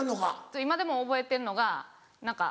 今でも覚えてるのが何か。